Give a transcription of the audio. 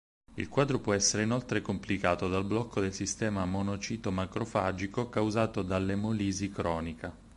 Il quadro può essere inoltre complicato dal blocco del sistema monocito-macrofagico causato dall'emolisi cronica.